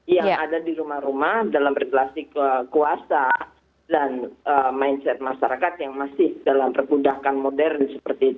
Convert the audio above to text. yang ada di rumah rumah dalam regulasi kuasa dan mindset masyarakat yang masih dalam perbudakan modern seperti itu